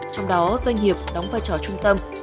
trong đó doanh nghiệp đóng vai trò trung tâm